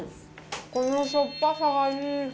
このしょっぱさがいい。